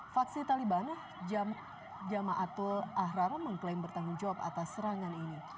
faksi taliban jamaatul ahrar mengklaim bertanggung jawab atas serangan ini